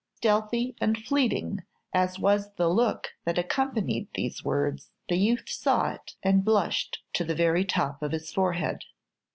Stealthy and fleeting as was the look that accompanied these words, the youth saw it, and blushed to the very top of his forehead.